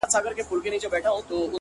هره ناکامي د نوې هڅې دروازه ده